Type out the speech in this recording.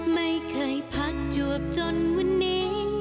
ไม่เคยพักจวบจนวันนี้